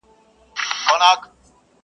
o د سوال په اوبو ژرنده نه گرځي٫